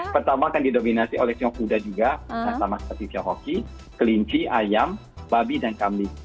pertama akan didominasi oleh siok kuda juga sama seperti pyokoki kelinci ayam babi dan kambing